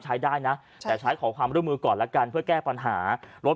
ใช้ได้นะแต่ใช้ขอความร่วมมือก่อนแล้วกันเพื่อแก้ปัญหารถ